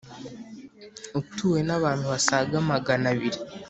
utuwe n abantu basaga Magana abiri